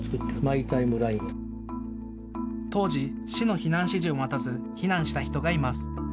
当時、市の避難指示を待たず避難した人がいます。